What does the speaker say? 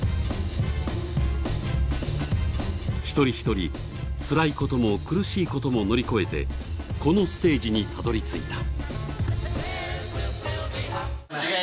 一人一人、つらいことも苦しいことも乗り越えてこのステージに、たどり着いた。